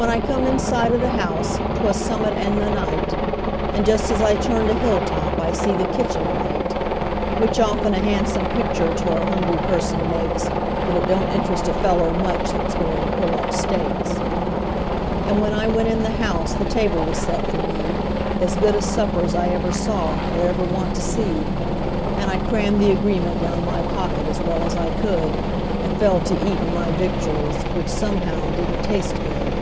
When I come in sight o' the house 'twas some'at in the night, And just as I turned a hill top I see the kitchen light; "AND JUST AS I TURNED A HILL TOP I SEE THE KITCHEN LIGHT." Which often a han'some pictur' to a hungry person makes, But it don't interest a feller much that's goin' to pull up stakes. And when I went in the house the table was set for me As good a supper's I ever saw, or ever want to see; And I crammed the agreement down my pocket as well as I could, And fell to eatin' my victuals, which somehow didn't taste good.